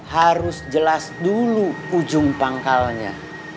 harus jelas dulu ujung pangkalnya